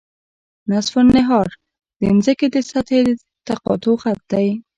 نصف النهار د ځمکې د سطحې د تقاطع خط دی